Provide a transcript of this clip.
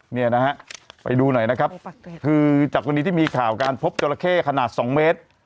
เนี่ยนะฮะไปดูหน่อยนะครับคือจากวันนี้ที่มีข่าวการพบจราเข้ขนาดสองเมตร